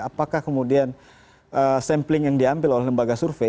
apakah kemudian sampling yang diambil oleh lembaga survei